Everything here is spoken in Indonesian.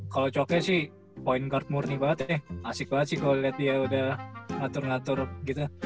kalau coknya sih point guard murni banget ya asik banget sih kalau lihat dia udah ngatur ngatur gitu